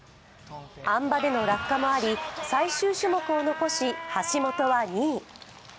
あん馬での落下もあり最終種目を残し、橋本は２位。